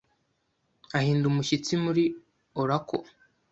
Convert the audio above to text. ahinda umushyitsi muri oracle.